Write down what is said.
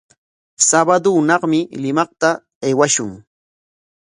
Sabado hunaqmi Limaqta aywashun.